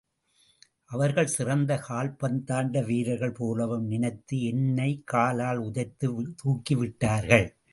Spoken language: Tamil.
அவர்கள் சிறந்த கால்பந்தாட்ட வீரர்கள் போலவும் நினைத்து என்னை காலால் உதைத்துத் தூக்கிவிட்டார்கள்.